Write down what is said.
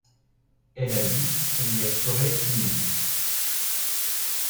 Elle habite les forêts humides.